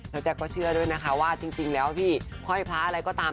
แล้วแจ๊คก็เชื่อด้วยนะคะว่าจริงแล้วพี่ห้อยพระอะไรก็ตาม